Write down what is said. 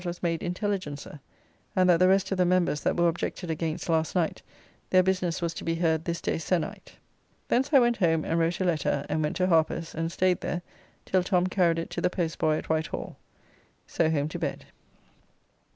"] was made Intelligencer, and that the rest of the members that were objected against last night, their business was to be heard this day se'nnight. Thence I went home and wrote a letter, and went to Harper's, and staid there till Tom carried it to the postboy at Whitehall. So home to bed.